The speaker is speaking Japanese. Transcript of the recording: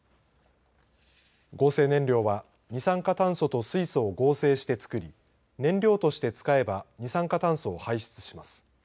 合成燃料は、二酸化炭素と水素を合成して作り燃料として使えば二酸化炭素を排出します。